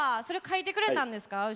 それ書いてくれたんですか？